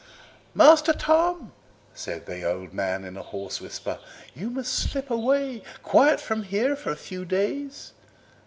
"Master Tom," said the old man in a hoarse whisper, "you must slip away quiet from here for a few days.